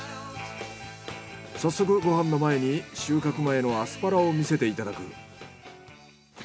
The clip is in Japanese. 早速ご飯の前に収穫前のアスパラを見せていただく。